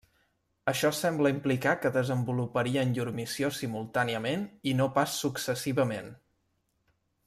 Això sembla implicar que desenvoluparien llur missió simultàniament i no pas successivament.